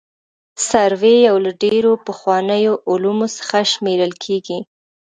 سروې یو له ډېرو پخوانیو علومو څخه شمېرل کیږي